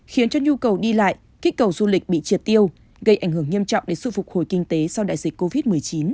khiến cho nhu cầu đi lại kích cầu du lịch bị triệt tiêu gây ảnh hưởng nghiêm trọng đến sự phục hồi kinh tế sau đại dịch covid một mươi chín